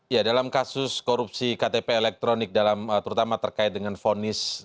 ya dalam kasus korupsi ktp elektronik dalam terutama terkait dengan fonis